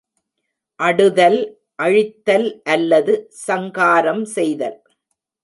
அடுதல் அழித்தல் அல்லது சங்காரம் செய்தல்.